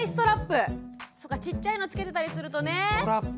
そっかちっちゃいのつけてたりするとね。